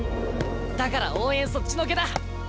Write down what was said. だから応援そっちのけだ！